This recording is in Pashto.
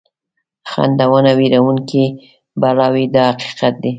خنډونه وېروونکي بلاوې دي دا حقیقت دی.